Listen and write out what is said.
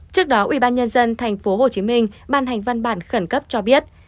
trước đó ubnd tp hcm ban hành văn bản khẩn cấp cho biết